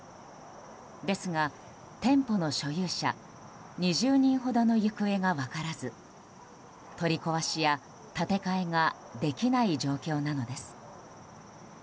ですが、店舗の所有者２０人ほどの行方が分からず取り壊しや建て替えができない状況なのです。